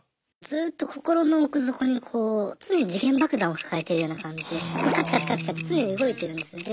ずっと心の奥底にこう常に時限爆弾を抱えてるような感じでカチカチカチカチ常に動いてるんですね。